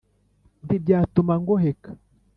ntibyatuma ngoheka